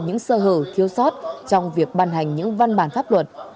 những sơ hở thiếu sót trong việc ban hành những văn bản pháp luật